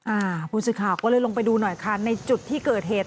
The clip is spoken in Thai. อ่าผู้สื่อข่าวก็เลยลงไปดูหน่อยค่ะในจุดที่เกิดเหตุ